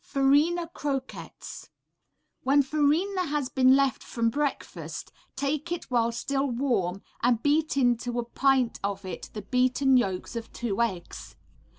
Farina Croquettes When farina has been left from breakfast, take it while still warm and beat into a pint of it the beaten yolks of two eggs.